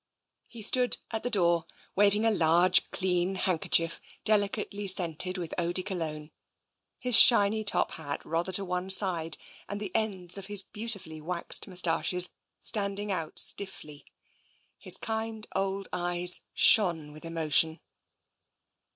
He stood at the door waving a large clean handker chief delicately scented with eau de Cologne, his shiny top hat rather to one side and the ends of his beauti fully waxed moustaches standing out stiffly. His kind old eyes shone with emotion.